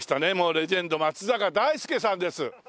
レジェンド松坂大輔さんです。